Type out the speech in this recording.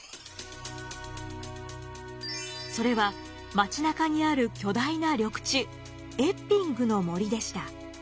それは街中にある巨大な緑地エッピングの森でした。